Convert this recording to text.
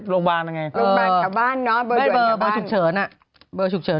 โรงพยาบาลอะไรไงไม่เบอร์ชุกเฉินอ่ะ